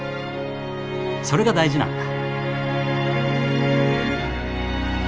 それが大事なんだ。